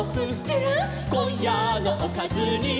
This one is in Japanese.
「こんやのおかずに」